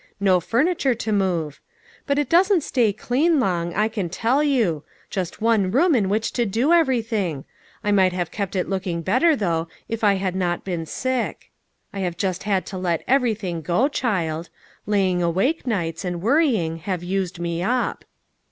No furniture to move. But it doesn't stay clean long, I can tell you. Just one room in which to do everything ! I might have kept it looking better, though, if I had not been sick. I have just had to let everything go, child. Lying awake nights, and worrying, have used me up."